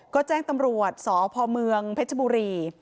ก็แจ้งตำรวจสพเผชบุรี